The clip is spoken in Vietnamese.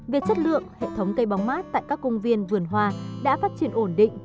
về chất lượng hệ thống cây bóng mát tại các công viên vườn hoa đã phát triển ổn định